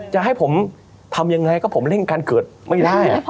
จะให้ผมทำยังไงก็ผมเร่งการเกิดไม่ได้